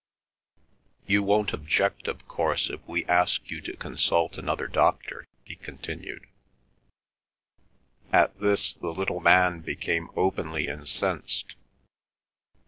"You won't object, of course, if we ask you to consult another doctor?" he continued. At this the little man became openly incensed.